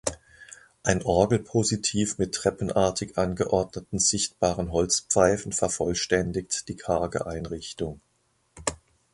Ein Orgelpositiv mit treppenartig angeordneten sichtbaren Holzpfeifen vervollständigt die karge Einrichtung.